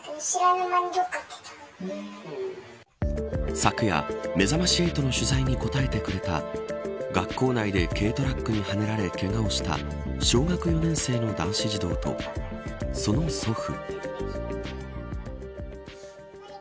昨夜めざまし８の取材に答えてくれた学校内で軽トラックにはねられけがをした小学４年生の男子児童とその祖父。